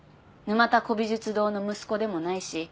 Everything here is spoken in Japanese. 沼田古美術堂の息子でもないし